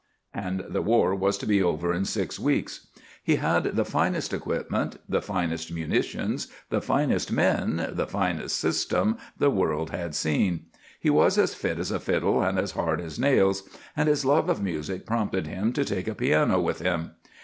and the war was to be over in six weeks. He had the finest equipment, the finest munitions, the finest men, the finest system, the world had seen. He was as fit as a fiddle and as hard as nails, and his love of music prompted him to take a piano with him.